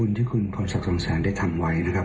และก็มีการกินยาละลายริ่มเลือดแล้วก็ยาละลายขายมันมาเลยตลอดครับ